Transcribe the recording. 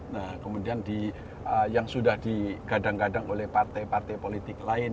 nah kemudian yang sudah digadang gadang oleh partai partai politik lain